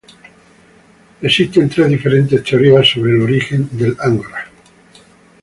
Existen tres diferentes teorías acerca del origen del Angora.